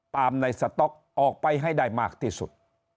ในสต๊อกออกไปให้ได้มากที่สุด